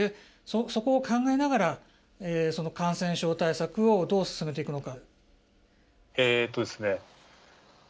そこを考えながら感染症対策をどう進めていくのか。